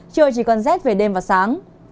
trời chỉ còn rét về đêm và sáng